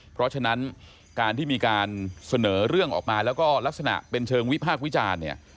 เพราะฉะนั้นการที่มีการเสนอเรื่องออกมาแล้วก็ลักษณะเป็นเชิงวิพากษ์วิจารณ์เนี่ย